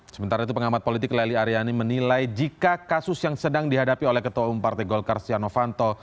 sementara itu pengamat politik lely aryani menilai jika kasus yang sedang dihadapi oleh ketua umum partai golkar stiano fanto